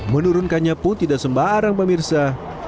menurunkannya pun tidak sembarang pemirsa